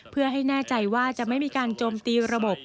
เพื่อให้แน่ใจว่าจะไม่มีการโจมตีระบบ